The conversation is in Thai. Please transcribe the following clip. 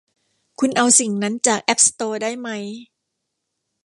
คุณเอาสิ่งนั้นจากแอพสโตร์ได้มั้ย